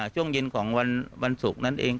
ช่วงเย็นของวันศุกร์นั้นเอง